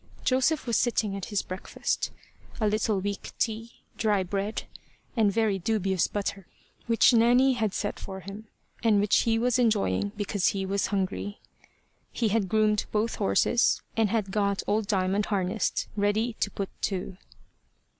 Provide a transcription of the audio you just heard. Joseph was sitting at his breakfast a little weak tea, dry bread, and very dubious butter which Nanny had set for him, and which he was enjoying because he was hungry. He had groomed both horses, and had got old Diamond harnessed ready to put to.